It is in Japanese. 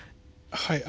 はい。